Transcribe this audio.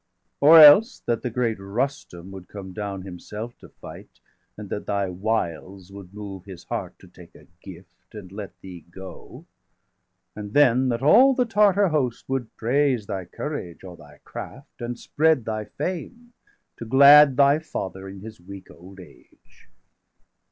530 Or else that the great Rustum would come down Himself to fight, and that thy wiles would move His heart to take a gift, and let thee go. And then that all the Tartar host would praise Thy courage or thy craft, and spread thy fame, 535 To glad° thy father in his weak old age.